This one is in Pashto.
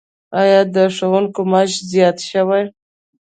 آیا د ښوونکو معاش زیات شوی؟